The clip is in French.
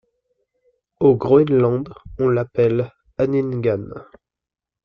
Au Groenland, on l'appelle Anningan.